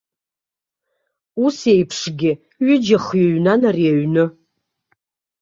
Ус еиԥшгьы ҩыџьа-хҩы ҩнан ари аҩны.